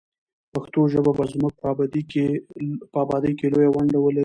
پښتو ژبه به زموږ په ابادۍ کې لویه ونډه ولري.